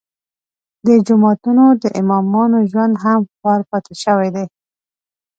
د جوماتونو د امامانو ژوند هم خوار پاتې شوی دی.